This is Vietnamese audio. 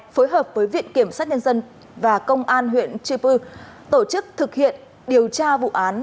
phối hợp với viện kiểm sát nhân dân và công an huyện chư pư tổ chức thực hiện điều tra vụ án